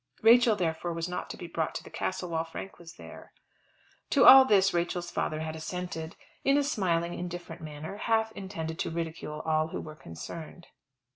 Rachel therefore was not to be brought to the Castle while Frank was there. To all this Rachel's father had assented, in a smiling indifferent manner, half intended to ridicule all who were concerned.